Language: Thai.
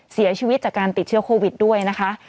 เสียชีวิตจากการติดเชื้อโควิดด้วยนะคะ